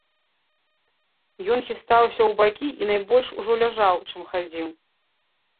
Ён хістаўся ў бакі і найбольш ужо ляжаў, чым хадзіў.